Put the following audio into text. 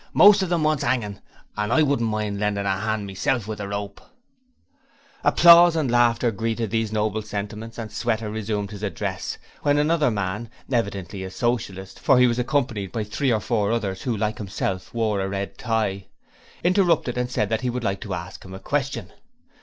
Most of 'em wants 'angin', and I wouldn't mind lendin' a 'and with the rope myself.' Applause and laughter greeted these noble sentiments, and Sweater resumed his address, when another man evidently a Socialist for he was accompanied by three or four others who like himself wore red ties interrupted and said that he would like to ask him a question.